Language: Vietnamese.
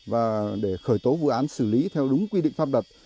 và để khởi tố vụ án xử lý theo đúng quy định pháp luật